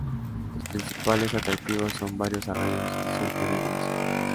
Los principales atractivos son varios arroyos que surcan el municipio.